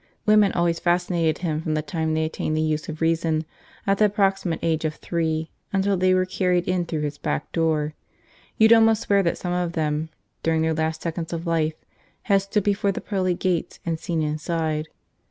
Women always fascinated him from the time they attained the use of reason at the approximate age of three until they were carried in through his back door. You'd almost swear that some of them, during their last seconds of life, had stood before the pearly gates and seen inside.